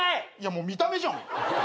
もう見た目じゃん。